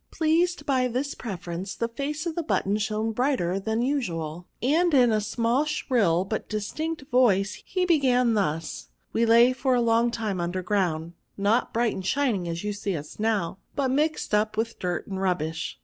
*' Pleased by this preference, the face of the button shone brighter than usual, and in a small shrill, but distinct voice, he began thus :—" We lay for a long time imder ground ; not bright and shining as you now see us, but mixed up with dirt and rubbish.